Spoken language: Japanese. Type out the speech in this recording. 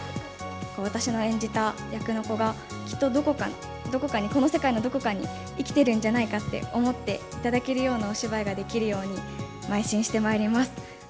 私の演じた役の子が、きっとどこかに、この世界のどこかに生きてるんじゃないかなって思っていただけるようなお芝居ができるようにまい進してまいります。